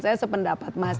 saya sependapat mas